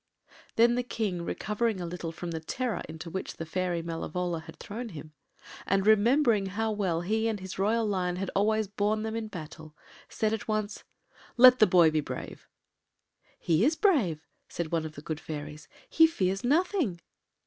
” Then the King, recovering a little from the terror into which the fairy Malevola had thrown him, and remembering how well he and his royal line had always borne them in battle, said at once— “Let the boy be brave.” “He is brave,” said one of the good fairies; “he fears nothing.